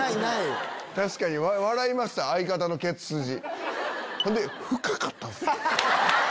確かに笑いました相方のケツすじ。